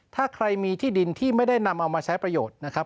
ถ้าใครมีที่ดินที่ไม่ได้นำเอามาใช้ประโยชน์นะครับ